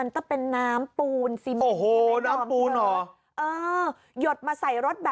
ลงมา